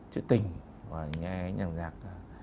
chữ tình và nghe nhạc